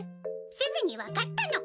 すぐに分かったの。